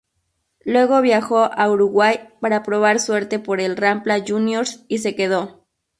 Luego viajó a Uruguay para probar suerte por el Rampla Juniors y se quedó.